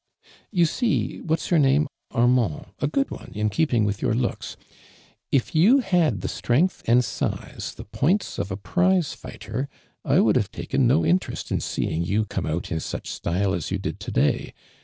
" You see — what's your name, Armand, a good one, in keeping with your looks, if you had the {strength and size, the points of a jnizo fighter, I would have taken no in terest in seeing j'ou come out in such style as you did to day, b.